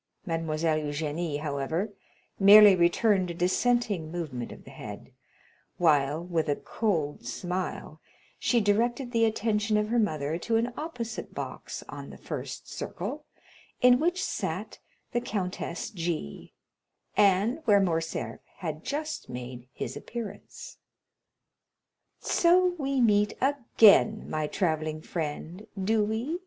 Mademoiselle Eugénie, however, merely returned a dissenting movement of the head, while, with a cold smile, she directed the attention of her mother to an opposite box on the first circle, in which sat the Countess G——, and where Morcerf had just made his appearance. 30087m "So we meet again, my travelling friend, do we?"